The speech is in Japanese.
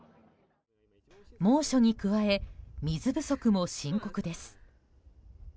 猛暑に加え水不足も深刻です。